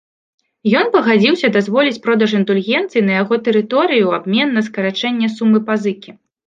Ён пагадзіўся дазволіць продаж індульгенцый на яго тэрыторыі ў абмен на скарачэнне сумы пазыкі.